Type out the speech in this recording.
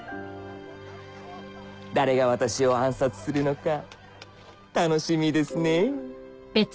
誰が私を暗殺するのか楽しみですねえ